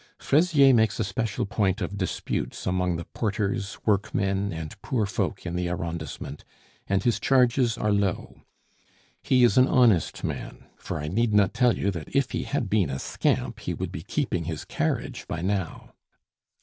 Fraisier makes a special point of disputes among the porters, workmen, and poor folk in the arrondissement, and his charges are low. He is an honest man; for I need not tell you that if he had been a scamp, he would be keeping his carriage by now.